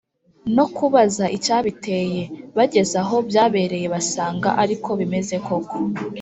no kubaza icyabiteye. bageze aho byabereye basanga ari ko bimeze koko.